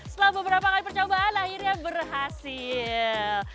setelah beberapa kali percobaan akhirnya berhasil